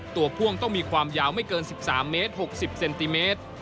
พ่วงต้องมีความยาวไม่เกิน๑๓เมตร๖๐เซนติเมตร